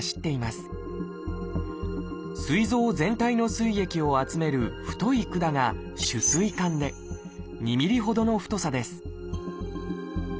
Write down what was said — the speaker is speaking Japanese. すい臓全体の膵液を集める太い管が「主膵管」で２ｍｍほどの太さです